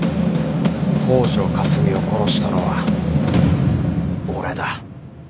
北條かすみを殺したのは俺だ。